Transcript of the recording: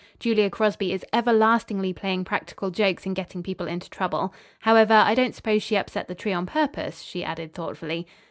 Julia Crosby is everlastingly playing practical jokes and getting people into trouble. However, I don't suppose she upset the tree on purpose," she added, thoughtfully.